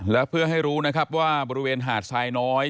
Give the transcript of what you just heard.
และเพื่อให้รู้นะครับว่าบริเวณหาดทรายน้อย